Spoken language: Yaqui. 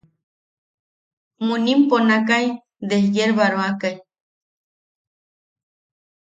Munim ponakai desyerbaroakai.